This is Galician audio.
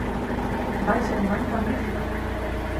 Vai ser un ano magnífico!